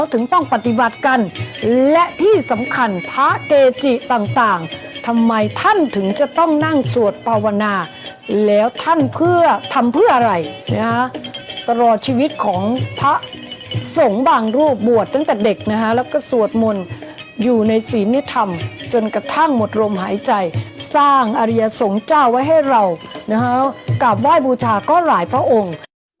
ถึงต้องปฏิบัติกันและที่สำคัญพระเกจิต่างทำไมท่านถึงจะต้องนั่งสวดภาวนาแล้วท่านเพื่อทำเพื่ออะไรนะฮะตลอดชีวิตของพระสงฆ์บางรูปบวชตั้งแต่เด็กนะฮะแล้วก็สวดมนต์อยู่ในศีลนิธรรมจนกระทั่งหมดลมหายใจสร้างอริยสงฆ์เจ้าไว้ให้เรานะฮะกราบไหว้บูชาก็หลายพระองค์